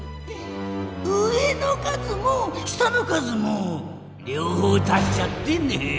上の数も下の数もりょう方たしちゃってね！